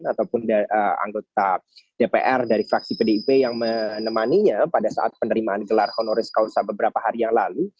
ataupun anggota dpr dari fraksi pdip yang menemaninya pada saat penerimaan gelar honoris causa beberapa hari yang lalu